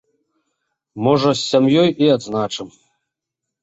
Можа, з сям'ёй і адзначым.